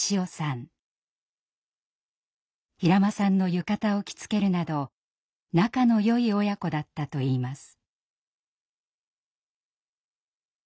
平間さんの浴衣を着付けるなど仲のよい親子だったといいます。